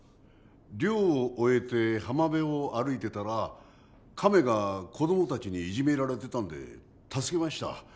漁を終えて浜辺を歩いていたらカメが子どもたちにいじめられてたんで助けました。